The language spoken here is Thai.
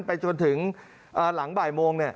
ไปจนถึงหลังบ่ายโมง